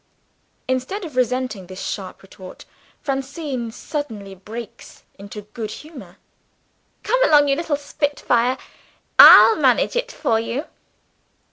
Instead of resenting this sharp retort, Francine suddenly breaks into good humor. "Come along, you little spit fire; I'll manage it for you."